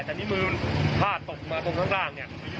แต่นี่มือพลาดตกมาตรงข้างล่าง